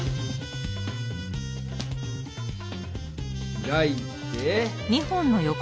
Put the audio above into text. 開いて。